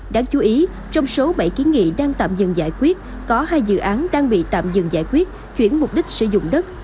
đáng chú ý trong số bảy kiến nghị đang tạm dừng giải quyết có hai dự án đang bị tạm dừng giải quyết chuyển mục đích sử dụng đất